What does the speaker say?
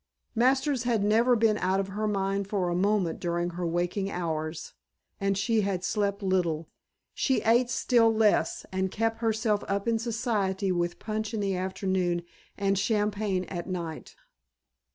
Masters had never been out of her mind for a moment during her waking hours, and she had slept little. She ate still less, and kept herself up in Society with punch in the afternoon and champagne at night.